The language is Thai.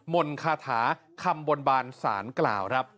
มนตร์คาถาคำบลบาลสารกล่าว